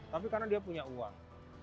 tapi karena dia punya uang